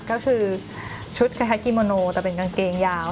ก็คือชุดกระแทกีโมโนแต่เป็นกางเกงยาว